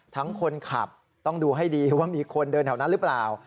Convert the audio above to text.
คนขับต้องดูให้ดีว่ามีคนเดินแถวนั้นหรือเปล่า